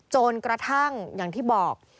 จนกระทั่งอย่างที่บอก